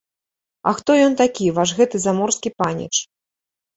А хто ён такі, ваш гэты заморскі паніч?